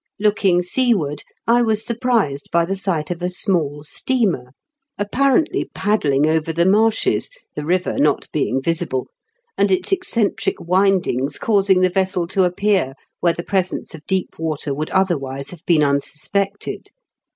Look ing seaward, I was surprised by the sight of a small steamer, apparently paddling over the marshes, the river not being visible, and its eccentric windings causing the vessel to appear where the presence of deep water would other wise have been unsuspected.